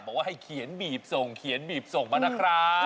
บอกว่าให้เขียนบีบส่งเขียนบีบส่งมานะครับ